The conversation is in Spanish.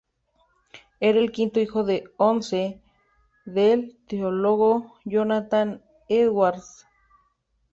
Era el quinto hijo de once, del teólogo Jonathan Edwards.